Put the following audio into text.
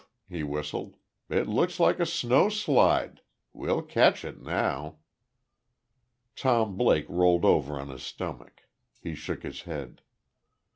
he whistled. "It looks like a snowslide.... We'll catch it now!" Tom Blake rolled over on his stomach. He shook his head.